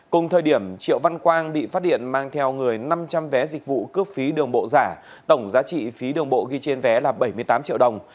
cùng thời điểm triệu văn quang bị phát điện mang theo người năm trăm linh vé dịch vụ cướp phí đường bộ giả tổng giá trị phí đường bộ ghi trên vé là bảy mươi tám triệu đồng